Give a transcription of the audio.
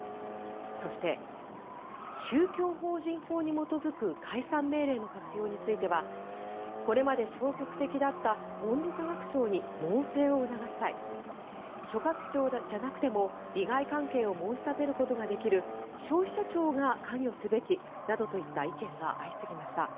そして、宗教法人法に基づく解散命令の活用についてはこれまで消極的だった文部科学省に猛省を促したい所轄庁じゃなくても利害関係を申し立てることができる消費者庁が関与すべきなどといった意見が相次ぎました。